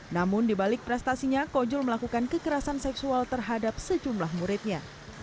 namun dibalik prestasinya kojul melakukan kekerasan seksual terhadap sejumlah muridnya